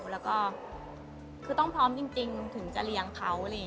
แล้วก็คือต้องพร้อมจริงถึงจะเลี้ยงเขา